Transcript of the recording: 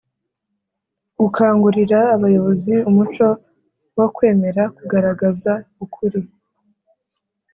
Gukangurira abayobozi umuco wo kwemera kugaragaza ukuri